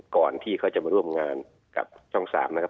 ก่อนที่เขาจะมาร่วมงานกับช่อง๓นะครับ